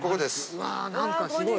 わぁ何かすごい。